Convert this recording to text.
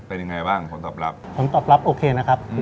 เป็นยังไงบ้างผลตอบรับผลตอบรับโอเคนะครับ